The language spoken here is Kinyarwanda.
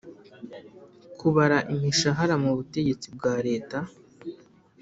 kubara imishahara mu butegetsi bwa Leta